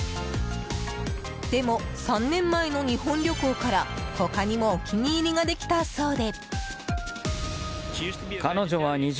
でも３年前の日本旅行から他にもお気に入りができたそうで。